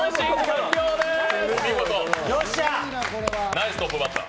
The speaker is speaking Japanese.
ナイストップバッター！